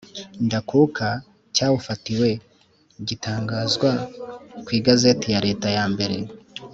ndakuka cyawufatiwe gitangazwa mu Igazeti ya leta yambere